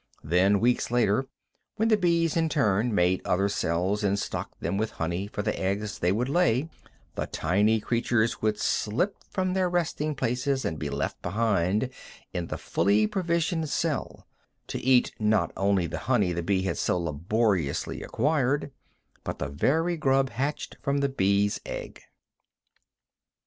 Then, weeks later, when the bees in turn made other cells and stocked them with honey for the eggs they would lay, the tiny creatures would slip from their resting places and be left behind in the fully provisioned cell, to eat not only the honey the bee had so laboriously acquired, but the very grub hatched from the bee's egg.